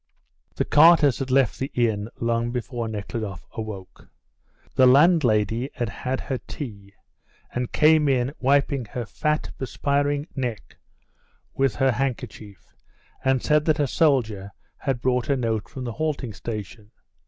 The carters had left the inn long before Nekhludoff awoke. The landlady had had her tea, and came in wiping her fat, perspiring neck with her handkerchief, and said that a soldier had brought a note from the halting station.